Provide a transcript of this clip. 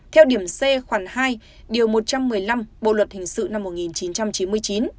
theo điểm c khoảng hai điều một trăm một mươi năm bộ luật hình sự năm một nghìn chín trăm chín mươi chín